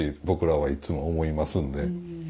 僕らはいつも思いますんで。